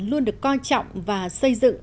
luôn được coi trọng và xây dựng